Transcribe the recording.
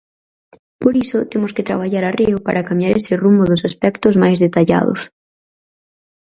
Por iso temos que traballar arreo para cambiar ese rumbo dos aspectos máis detallados.